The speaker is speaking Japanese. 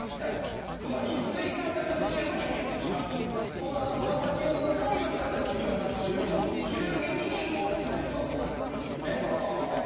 この反応は先ほどのカイロの中で起きる反応よりも急激に大きな熱を発するんですね。